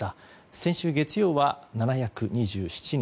先週月曜は７２７人。